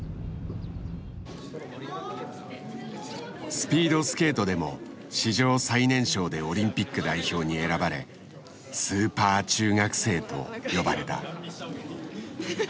スピードスケートでも史上最年少でオリンピック代表に選ばれ「スーパー中学生」と呼ばれた。